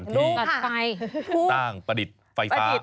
ที่ตั้งประดิษฐ์ไฟฟ้า